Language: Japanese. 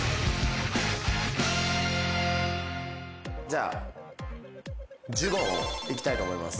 じゃあジュゴンをいきたいと思います。